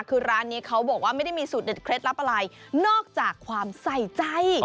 คือร้านนี้เขาบอกว่าไม่ได้มีสูตรเด็ดเคล็ดลับอะไรนอกจากความใส่ใจ